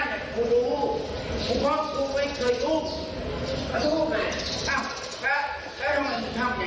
เฒ้แค่ต้องมาหลายเงี่ยไม่เขนใจก็จะยังไปจึงแล้ว